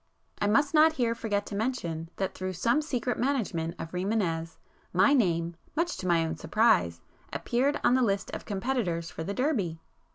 I must not here forget to mention, that through some secret management of Rimânez, my name, much to my own surprise, appeared on the list of competitors for the Derby.